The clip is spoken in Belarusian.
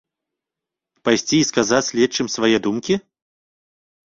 Пайсці і сказаць следчым свае думкі?